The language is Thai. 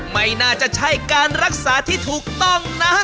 ไม่น่าจะใช่การรักษาที่ถูกต้องนะ